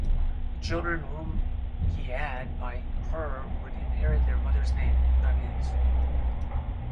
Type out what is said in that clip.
The children whom he had by her would inherit their mother's name, not his.